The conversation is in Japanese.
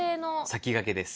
先駆けです。